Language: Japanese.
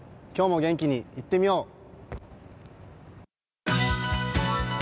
今日も元気にいってみよう！